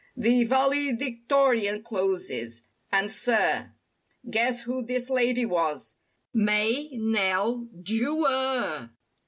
The valedictorian closes—and sir. Guess who this lady was—Mae Nelle DeWer.